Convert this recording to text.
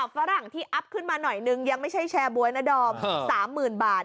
ฝรั่งที่อัพขึ้นมาหน่อยนึงยังไม่ใช่แชร์บ๊วยนะดอม๓๐๐๐บาท